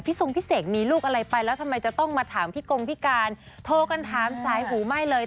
ทรงพี่เสกมีลูกอะไรไปแล้วทำไมจะต้องมาถามพี่กงพิการโทรกันถามสายหูไหม้เลย